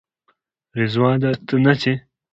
رضوانه ته نه ځې؟